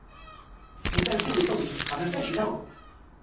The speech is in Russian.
Мелькают белые столбики, ограждающие дорогу.